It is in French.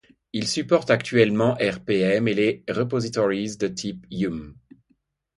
Ils supportent actuellement rpm et les repositories de type yum.